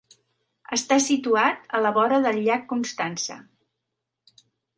Està situat a la vora del llac Constança.